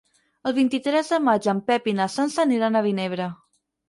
El vint-i-tres de maig en Pep i na Sança aniran a Vinebre.